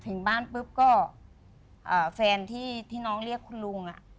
ถึงบ้านปุ๊บก็แฟนที่น้องเรียกคุณลุง